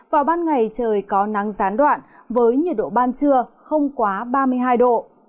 vào ban ngày trời có nắng gián đoạn với nhiệt độ ban trưa không quá ba mươi hai độ